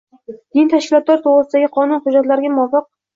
diniy tashkilotlar to’g`risidagi qonun hujjatlariga muvofiq